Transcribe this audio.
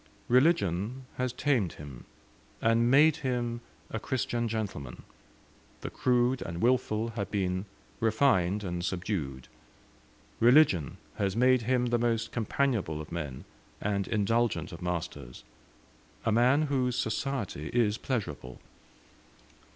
Religion has tamed him, and made him a Christian gentleman: the crude and wilful have been refined and subdued; religion has made him the most companionable of men and indulgent of masters a man whose society is pleasurable.